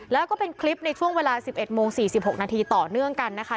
แล้วก็เป็นคลิปในช่วงเวลา๑๑โมง๔๖นาทีต่อเนื่องกันนะคะ